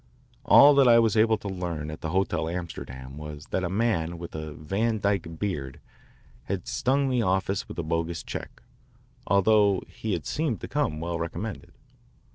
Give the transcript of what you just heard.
All that I was able to learn at the Hotel Amsterdam was that a man with a Van Dyke beard had stung the office with a bogus check, although he had seemed to come well recommended.